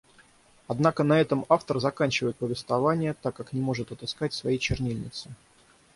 Однако на этом автор заканчивает повествование, так как не может отыскать своей чернильницы.